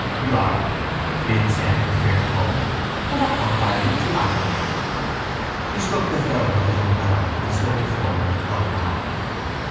—You are, Glynn said in a firm tone. On that point Ireland is united. He struck the ferrule of his umbrella on the stone floor of the colonnade.